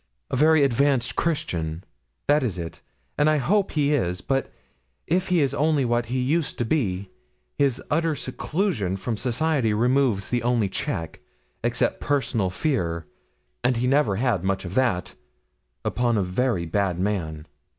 a very advanced Christian that is it, and I hope he is; but if he is only what he used to be, his utter seclusion from society removes the only check, except personal fear and he never had much of that upon a very bad man.